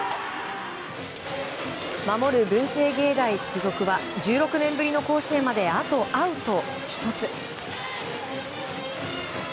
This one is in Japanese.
守る文星芸大附属は１６年ぶりの甲子園まであとアウト１つ。